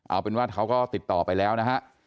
เอาเป็นว่าเขาก็ติดต่อไปแล้วนะฮะ